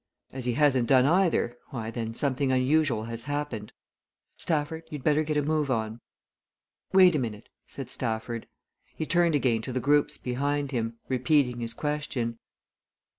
As he hasn't done either, why, then, something unusual has happened. Stafford, you'd better get a move on." "Wait a minute," said Stafford. He turned again to the groups behind him, repeating his question.